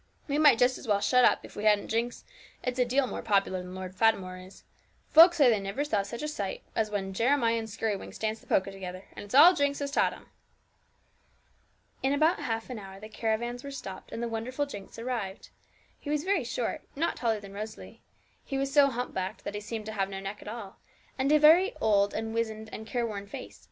We might just as well shut up, if we hadn't Jinx; it's a deal more popular than Lord Fatimore is folks say they never saw such a sight as when Jeremiah and Skirrywinks dance the polka together; and it's all Jinx that has taught them.' In about half an hour the caravans were stopped, and the wonderful Jinx arrived. He was very short, not taller than Rosalie; he was so humpbacked, that he seemed to have no neck at all; and he had a very old and wizened and careworn face.